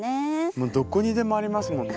もうどこにでもありますもんね。